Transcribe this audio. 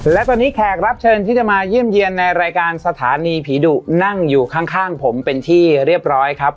และตอนนี้แขกรับเชิญที่จะมาเยี่ยมเยี่ยนในรายการสถานีผีดุนั่งอยู่ข้างผมเป็นที่เรียบร้อยครับ